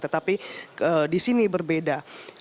tetapi di sini berbeda